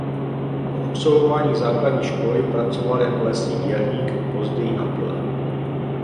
Po absolvování základní školy pracoval jako lesní dělník a později na pile.